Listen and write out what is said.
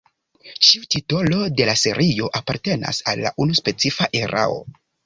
Ĉiu titolo de la serio apartenas al unu specifa erao.